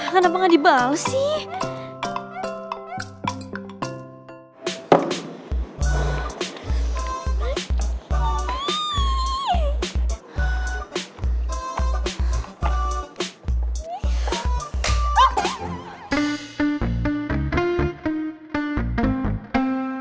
kenapa ga dibalas sih